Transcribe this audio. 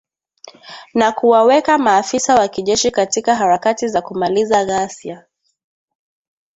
Na kuwaweka maafisa wa kijeshi katika harakati za kumaliza ghasia.